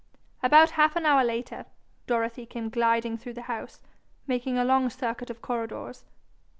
About half an hour after, Dorothy came gliding through the house, making a long circuit of corridors.